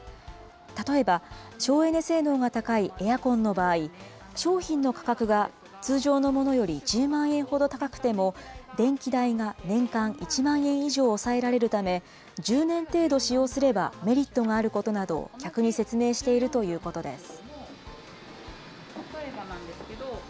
例えば、省エネ性能が高いエアコンの場合、商品の価格が通常のものより１０万円ほど高くても、電気代が年間１万円以上抑えられるため、１０年程度使用すればメリットがあることなどを客に説明しているということです。